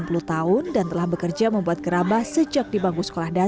suma berusia delapan puluh tahun dan telah bekerja membuat gerabah sejak di bangku sekolah dasar